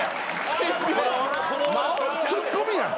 ツッコミやん。